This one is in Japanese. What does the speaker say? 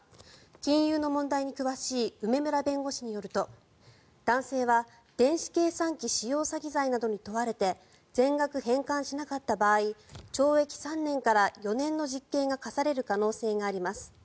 金融の問題に詳しい梅村弁護士によると男性は電子計算機使用詐欺罪などに問われて全額返還しなかった場合懲役３年から４年の実刑が科される可能性があります。